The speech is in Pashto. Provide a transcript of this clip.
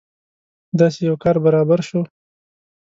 داسې یو کار برابر شو.